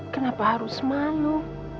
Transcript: kenapa harus malu